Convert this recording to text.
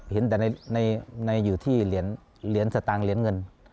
เห็นแต่อยู่ที่เหรียญสตางค์เหรียญเงิน